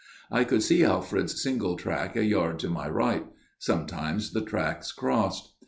I could see Alfred's single track a yard to my right ; sometimes the tracks crossed.